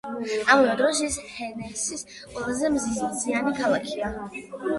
ამავე დროს, ის ჰესენის ყველაზე მზიანი ქალაქია.